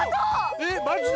えっマジで？